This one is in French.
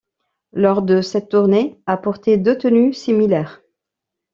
Lors de cette tournée a portée deux tenues similaires.